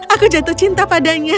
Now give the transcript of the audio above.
aku jatuh cinta padanya